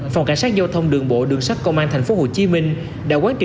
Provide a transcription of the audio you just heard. phòng cảnh sát giao thông đường bộ đường sắt công an thành phố hồ chí minh đã quán trị